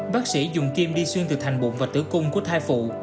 bác sĩ dùng kim đi xuyên từ thành bụng và tử cung của thai phụ